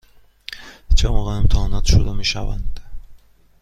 چه موقع امتحانات شروع می شوند؟